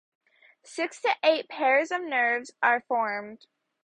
Six to eight pairs of nerves are formed.